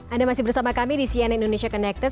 anda masih bersama kami di cnn indonesia connected